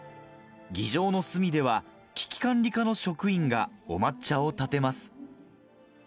議場の隅では、危機管理課の職員がお抹茶をたてます。